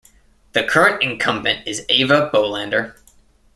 The current incumbent is Eva Bolander.